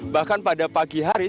bahkan pada pagi hari